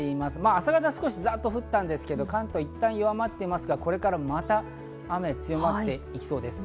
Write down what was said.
朝方は少しザっと降ったんですが関東はいったん弱まっていますが、これからまた雨が強まっていきそうです。